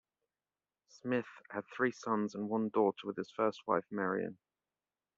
Smith had three sons and one daughter with his first wife, Marion.